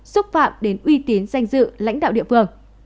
xúc phạm đến uy tín danh dự lãnh đạo địa phương